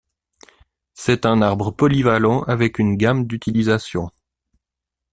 C'est un arbre polyvalent avec une gamme d'utilisations.